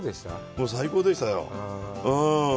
もう最高でしたよ。